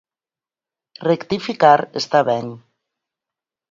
Rectificar está ben.